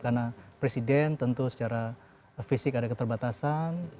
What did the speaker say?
karena presiden tentu secara fisik ada keterbatasan